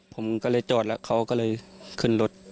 ผมก็เลยจอดแล้วเขาก็เลยขึ้นรถ